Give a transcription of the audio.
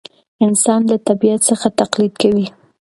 انسان له طبیعت څخه تقلید کوي.